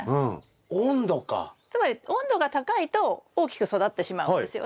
つまり温度が高いと大きく育ってしまうんですよね。